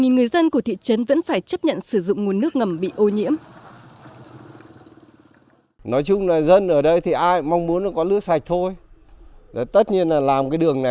một mươi người dân của thị trấn vẫn phải chấp nhận sử dụng nguồn nước ngầm bị ô nhiễm